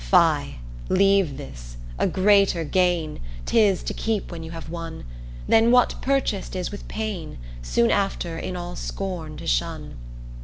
Fie, leave this, a greater gain 'Tis to keep when you have won Than what purchased is with pain Soon after in all scorn to shun.